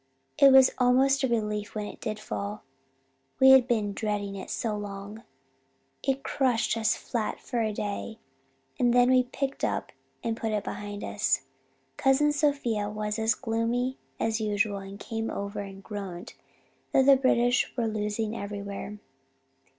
It was almost a relief when it did fall, we had been dreading it so long. It crushed us flat for a day and then we picked up and put it behind us. Cousin Sophia was as gloomy as usual and came over and groaned that the British were losing everywhere.